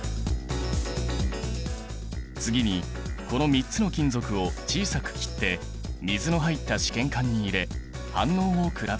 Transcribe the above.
次にこの３つの金属を小さく切って水の入った試験管に入れ反応を比べよう。